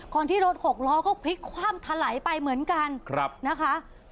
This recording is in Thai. ก่อนที่รถหกล้อก็พลิกความถลายไปเหมือนกันนะคะครับ